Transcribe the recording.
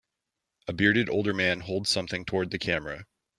A bearded older man holds something toward the camera.